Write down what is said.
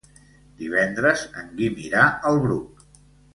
Divendres en Guim irà al Bruc.